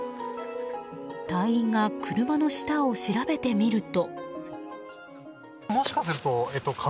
隊員が車の下を調べてみると。